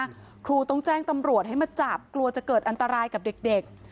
ครูต้องแจ้งตำรวจให้มาจับกลัวจะเกิดอันตรายกับเด็ก